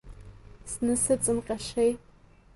Зны сыҵымҟьашеи…